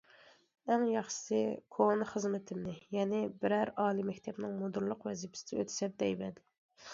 ئەڭ ياخشىسى، كونا خىزمىتىمنى، يەنى بىرەر ئالىي مەكتەپنىڭ مۇدىرلىق ۋەزىپىسىنى ئۆتىسەم دەيمەن.